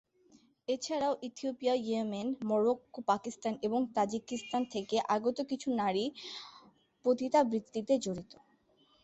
এছাড়াও Ethiopia, Yemen, Morocco, Pakistan এবং Tajikistan থেকে আগত কিছু নারী পতিতাবৃত্তিতে জড়িত।